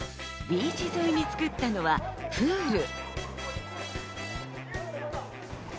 ビーチ沿いに作ったのはプール。